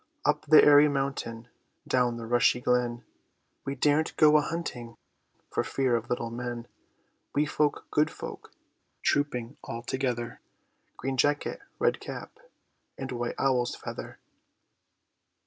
Up the airy mountain, Down the rushy glen, We daren't go a hunting For fear of little men; Wee folk, good folk, Trooping all together, Green jacket, red cap, And white owl's feather!